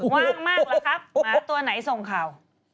ว่างมากล่ะครับหมาตัวไหนส่งข่าว